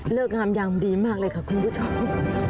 งามยามดีมากเลยค่ะคุณผู้ชม